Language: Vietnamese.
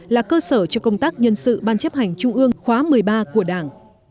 là cơ sở cho công tác nhân sự ban chấp hành trung ương khóa một mươi ba của đảng